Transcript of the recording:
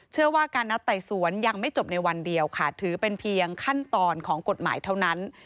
เชื่อว่าการนัดไต่สวนยังไม่จบในวันเดียวค่ะถือเป็นเพียงขั้นตอนของกฎหมายเท่านั้น